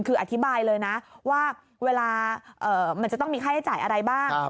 คืออธิบายเลยนะว่าเวลามันจะต้องมีค่าใช้จ่ายอะไรบ้าง